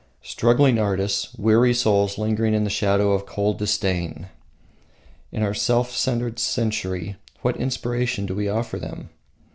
Struggling artists, weary souls lingering in the shadow of cold disdain! In our self centered century, what inspiration do we offer them?